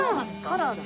カラーだ。